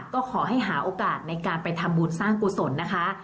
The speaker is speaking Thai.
ก็ขอให้หาโอกาสในการไปทำบุญสร้างกุศลนะคะ